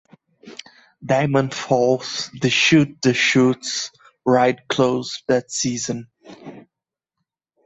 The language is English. Diamond Falls, the Shoot-the-Chutes ride closed that season.